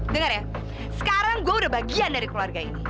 dengar ya sekarang gue udah bagian dari keluarga ini